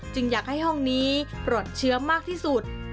อยากให้ห้องนี้ปลอดเชื้อมากที่สุด